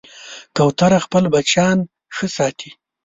کوتره خپل بچیان ښه ساتي.